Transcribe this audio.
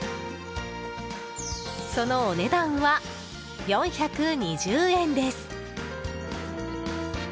そのお値段は、４２０円です。